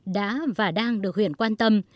đã và đang được huyện quan tâm